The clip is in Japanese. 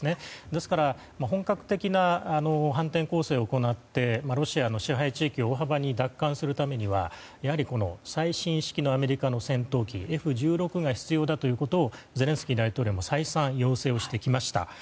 ですから本格的な反転攻勢を行ってロシアの支配地域を大幅に奪還するためにはやはり最新式のアメリカの戦闘機Ｆ１６が必要だということをゼレンスキー大統領は再三、要請してきました。